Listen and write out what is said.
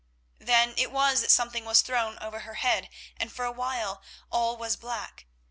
Then it was that something was thrown over her head, and for a while all was black.